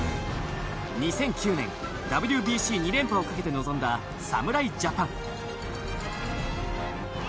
２００９年ＷＢＣ２連覇を懸けて臨んだ侍ジャパン。